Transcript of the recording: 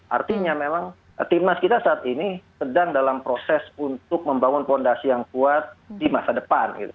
artinya memang timnas kita saat ini sedang dalam proses untuk membangun fondasi yang kuat di masa depan